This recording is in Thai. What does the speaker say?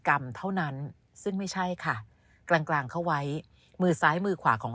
กรรมเท่านั้นซึ่งไม่ใช่ค่ะกลางกลางเข้าไว้มือซ้ายมือขวาของ